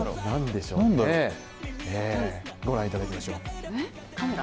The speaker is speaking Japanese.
なんでしょうね、ご覧いただきましょう。